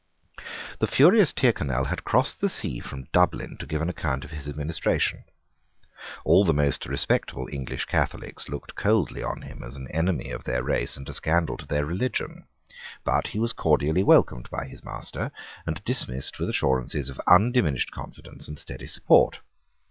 The furious Tyrconnel had crossed the sea from Dublin to give an account of his administration. All the most respectable English Catholics looked coldly on him as on an enemy of their race and a scandal to their religion. But he was cordially welcomed by his master, and dismissed with assurances of undiminished confidence and steady support.